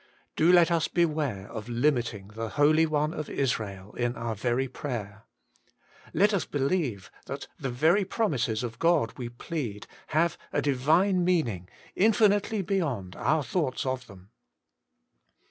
Do let us beware of limiting the Holy One of Israel in our very prayer. Let US believe that the very promises of God we plead have a divine meaning, infinitely beyond our thoughts of them.